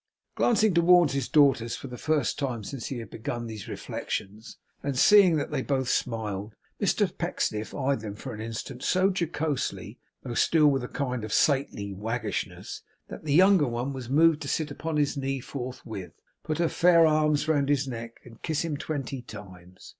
Glancing towards his daughters for the first time since he had begun these reflections, and seeing that they both smiled, Mr Pecksniff eyed them for an instant so jocosely (though still with a kind of saintly waggishness) that the younger one was moved to sit upon his knee forthwith, put her fair arms round his neck, and kiss him twenty times.